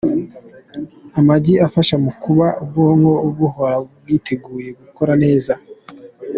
Amagi afasha mu kuba ubwonko buhora bwiteguye gukora neza.